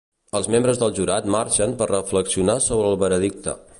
Els membres del jurat marxen per reflexionar sobre el veredicte.